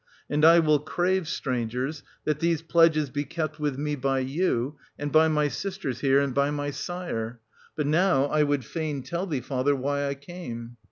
And I will crave, strangers, that these pledges be kept with me by you, and by my sisters here, and by my sire. — But now I 1290 would fain tell thee, father, why I came.